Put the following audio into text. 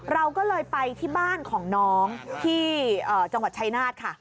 เราก็เลยไปที่บ้านของน้องที่จังหวัดชายนาฏค่ะ